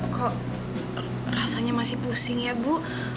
kok rasanya masih pusing ya bu